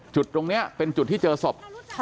จุดตรงนี้เป็นจุดที่เจอศพ